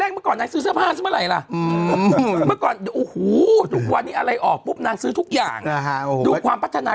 แรกหมดหนังซื้อเสื้อผ้าฉะนั้น๑๓๐๐อย่างดูความพัฒนา